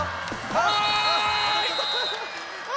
はい！